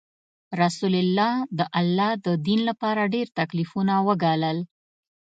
رسول الله د الله د دین لپاره ډیر تکلیفونه وګالل.